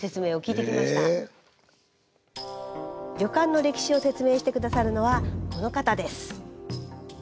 旅館の歴史を説明して下さるのはこの方です。